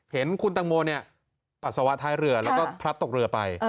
เห็นคุณตังโมปัสสาวะท้ายเรือแล้วก็พลัดตกเรือไป